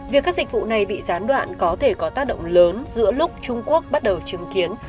việc các dịch vụ này bị gián đoạn có thể có tác động lớn giữa lúc trung quốc bắt đầu chứng kiến